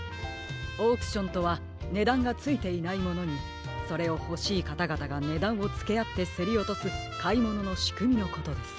オークションとはねだんがついていないものにそれをほしいかたがたがねだんをつけあってせりおとすかいもののしくみのことです。